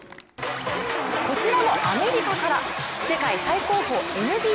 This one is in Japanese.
こちらもアメリカから、世界最高峰ＮＢＡ。